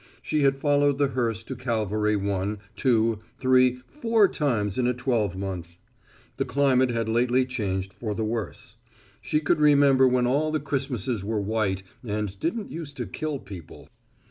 She had followed the hearse to Calvary one, two, three, four times in a twelvemonth. The climate had lately changed for the worse. She could remember when all the Christmases were white and didn't use to kill people.